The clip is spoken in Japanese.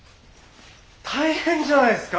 大変じゃないすか！